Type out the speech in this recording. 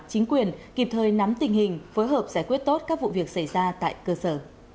chính quyền kịp thời nắm tình hình phối hợp giải quyết tốt các vụ việc xảy ra tại cơ sở